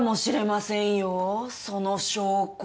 その証拠。